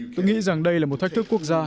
tôi nghĩ rằng đây là một thách thức quốc gia